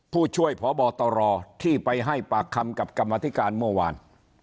ผู้ช่วยพบตรที่ไปให้ปากคำกับกรรมธิการเมื่อวาน